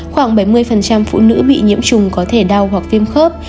khoảng bảy mươi phụ nữ bị nhiễm trùng có thể đau hoặc viêm khớp